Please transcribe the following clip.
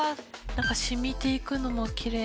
なんか染みていくのもきれい。